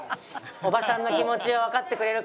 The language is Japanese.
おばさんの気持ちをわかってくれるか。